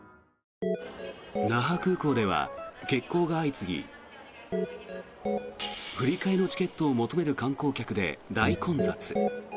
那覇空港では欠航が相次ぎ振り替えのチケットを求める観光客で大混雑。